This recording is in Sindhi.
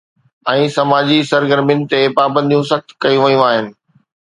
۽ سماجي سرگرمين تي پابنديون سخت ڪيون ويون آهن.